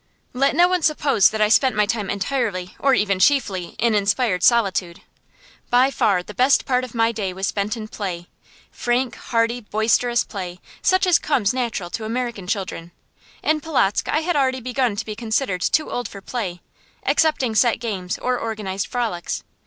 Let no one suppose that I spent my time entirely, or even chiefly, in inspired solitude. By far the best part of my day was spent in play frank, hearty, boisterous play, such as comes natural to American children. In Polotzk I had already begun to be considered too old for play, excepting set games or organized frolics.